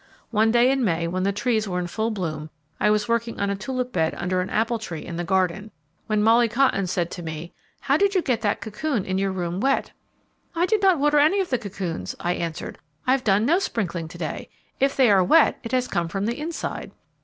One day in May, when the trees were in full bloom, I was working on a tulip bed under an apple tree in the garden, when Molly Cotton said to me, "How did you get that cocoon in your room wet?" "I did not water any of the cocoons," I answered. "I have done no sprinkling today. If they are wet, it has come from the inside."